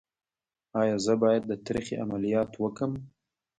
ایا زه باید د تریخي عملیات وکړم؟